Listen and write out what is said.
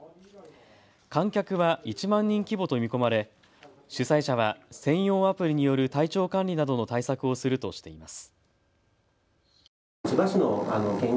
観客は１万人規模と見込まれ、主催者は専用アプリによる体調管理などの対策をするとしています。